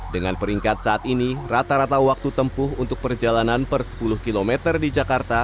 dengan peringkat saat ini rata rata waktu tempuh untuk perjalanan per sepuluh km di jakarta